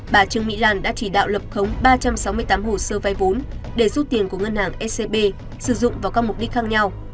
bà trương mỹ lan đã chỉ đạo lập khống ba trăm sáu mươi tám hồ sơ vay vốn để rút tiền của ngân hàng scb sử dụng vào các mục đích khác nhau